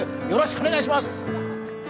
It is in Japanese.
「９９．９」よろしくお願いします。